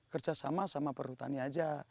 kerjasama sama perhutani aja